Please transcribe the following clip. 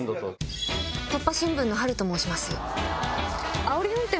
突破新聞の波瑠と申します。